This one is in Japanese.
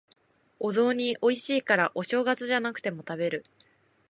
お雑煮美味しいから、お正月じゃなくても食べてる。